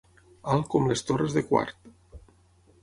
Alt com les torres de Quart.